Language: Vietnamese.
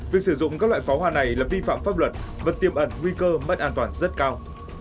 việc sử dụng các loại pháo hoa này là vi phạm pháp luật và tiêm ẩn nguy cơ mất an toàn rất cao